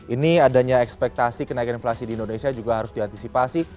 ini adanya ekspektasi kenaikan inflasi di indonesia juga harus diantisipasi